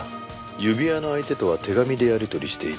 指輪の相手とは手紙でやり取りしていた。